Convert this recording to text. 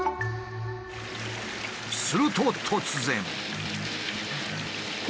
すると突然。